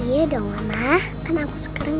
iya dong mah kan aku sekarang